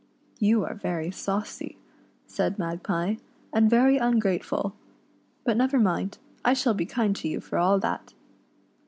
"You are very saucy," said Magpie, "and very ungrateful; but never mind, I shall be kind to you for all that."